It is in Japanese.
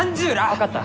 分かった。